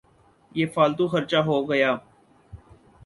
یہ فالتو خرچہ ہو گیا۔